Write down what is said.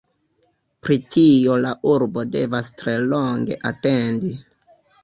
Pri tio la urbo devas tre longe atendi.